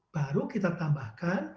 baru kita tambahkan